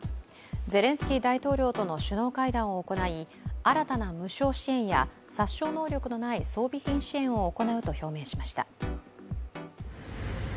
ゼレンスキー大統領との首脳会談を行い新たな無償支援や殺傷能力のない装備品支援を行うと表明しました。